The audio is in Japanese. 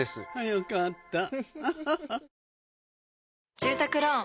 よかった。